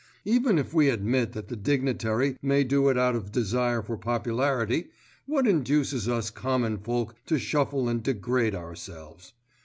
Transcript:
Even if we admit that the dignitary may do it out of desire for popularity, what induces us common folk to shuffle and degrade ourselves.